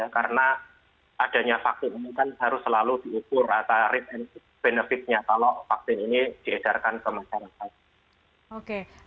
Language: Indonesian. karena adanya vaksin ini kan harus selalu diukur atas risk and benefitnya kalau vaksin ini diedarkan ke masyarakat